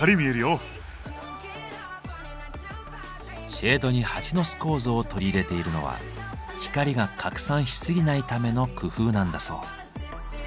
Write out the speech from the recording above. シェードにハチの巣構造を取り入れているのは光が拡散しすぎないための工夫なんだそう。